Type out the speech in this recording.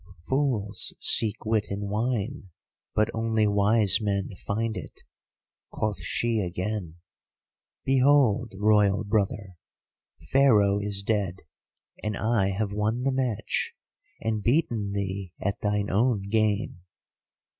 "'Fools seek wit in wine, but only wise men find it,' quoth she again. 'Behold, Royal brother, Pharaoh is dead, and I have won the match, and beaten thee at thine own game.